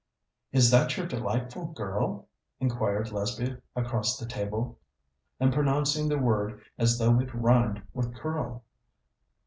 "Is that your delightful girl?" inquired Lesbia across the table, and pronouncing the word as though it rhymed with "curl."